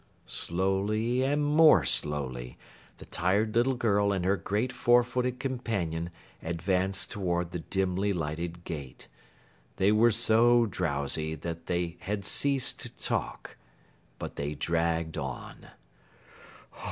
Slowly and more slowly, the tired little girl and her great four footed companion advanced toward the dimly lighted gate. They were so drowsy that they had ceased to talk. But they dragged on.